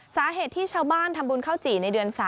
สาเหตุที่ชาวบ้านทำบุญข้าวจี่ในเดือน๓